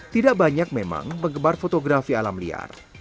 tidak banyak memang penggemar fotografi alam liar